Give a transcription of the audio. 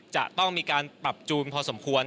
จะต้องมีการปรับจูนพอสมควร